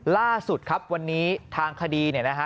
ล่าสุดครับวันนี้ทางคดีเนี่ยนะฮะ